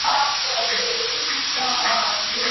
څوک د خپلو ستونزو سره د مبارزې د لاري پیاوړی کیږي؟